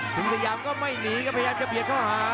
สิงสยามก็ไม่หนีพยายามจะเปลี่ยนฝ่า